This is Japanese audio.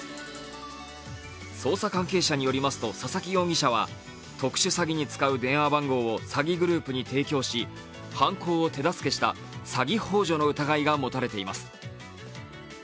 捜査関係者によりますと佐々木容疑者は特殊詐欺に使う電話番号を詐欺グループに提供し犯行を手助けした詐欺ほう助の疑いが持たれています。